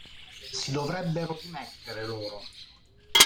Si dovrebbero dimettere loro".